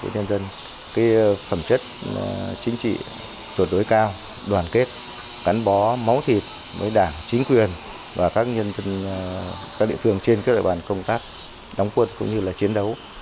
đối với nhân dân phẩm chất chính trị tuyệt đối cao đoàn kết gắn bó máu thịt với đảng chính quyền và các địa phương trên các đại bản công tác đóng quân cũng như là chiến đấu